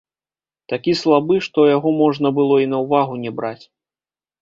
Такі слабы, што яго можна было і на ўвагу не браць.